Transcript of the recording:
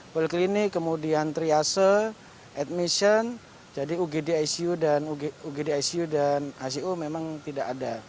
poliklinik kemudian triase admission jadi ugd icu dan icu memang tidak ada